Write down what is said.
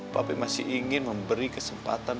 papi masih ingin memberi kesempatan